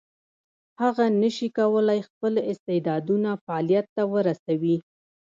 هغه نشي کولای خپل استعدادونه فعلیت ته ورسوي.